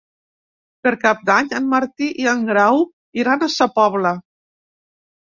Per Cap d'Any en Martí i en Grau iran a Sa Pobla.